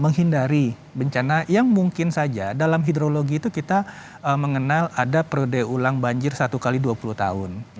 menghindari bencana yang mungkin saja dalam hidrologi itu kita mengenal ada periode ulang banjir satu x dua puluh tahun